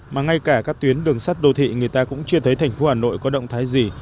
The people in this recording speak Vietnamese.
mà ngay cả các tuyến đường sắt đô thị người ta cũng chưa thấy thành phố hà nội có động thái gì